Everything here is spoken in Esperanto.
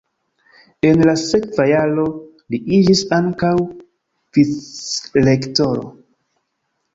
En la sekva jaro li iĝis ankaŭ vicrektoro.